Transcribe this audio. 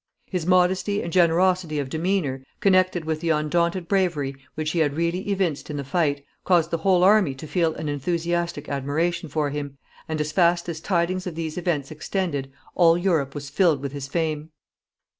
His modesty and generosity of demeanor, connected with the undaunted bravery which he had really evinced in the fight, caused the whole army to feel an enthusiastic admiration for him, and, as fast as tidings of these events extended, all Europe was filled with his fame.